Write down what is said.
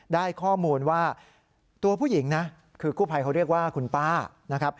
ได้ข้อมูลว่าตัวผู้หญิงนะคือกู้ภัยเขาเรียกว่าคุณป้านะครับ